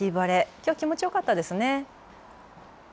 きょう気持ちよかったですね。